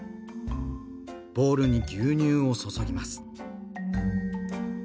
ボウルに牛乳を注ぎます。